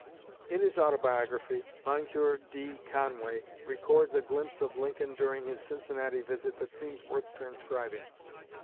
In his Autobiography, Moncure D. Conway records a glimpse of Lincoln during his Cincinnati visit that seems worth transcribing.